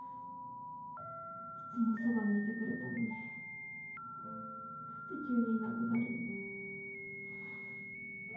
いつもそばにいてくれたのに何で急にいなくなるの？